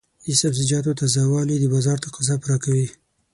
د سبزیجاتو تازه والي د بازار تقاضا پوره کوي.